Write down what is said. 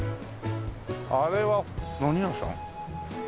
あれは何屋さん？